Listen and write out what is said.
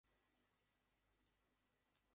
অন্ধকারে কি ভয় পাচ?